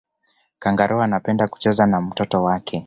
kangaroo anapenda kucheza na mtoto wake